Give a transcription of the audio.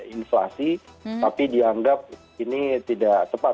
inflasi tapi dianggap ini tidak tepat